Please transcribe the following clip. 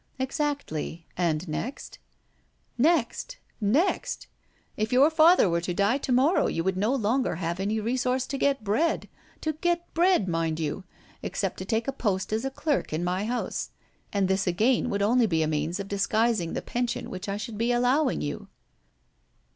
"Exactly and next?" "Next next ? If your father were to die tomorrow, you would no longer have any resource to get bread to get bread, mind you except to take a post as a clerk in my house. And this again would only be a means of disguising the pension which I should be allowing you."